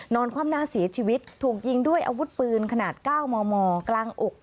นอนความน่าศีรีย์ชีวิตถูกยิงด้วยอาวุธปืนขนาดเก้าหมอคลังอุก